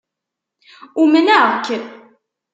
Umnaɣ-k